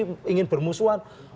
mereka ingin bermusuhan